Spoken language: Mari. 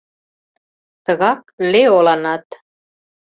Тыгак Леоланат.